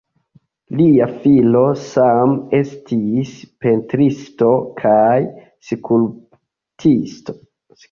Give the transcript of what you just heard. Lia filo same estis pentristo kaj skulptisto.